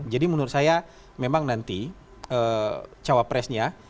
jadi menurut saya memang nanti cawa presnya